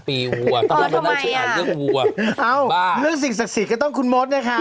ศักดิ์ศักดิ์ศักดิ์สิทธิ์ก็ต้องคุณมศนะครับ